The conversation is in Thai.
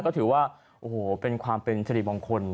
ก็ถือว่าโอ้โหเป็นความเป็นสิริมงคล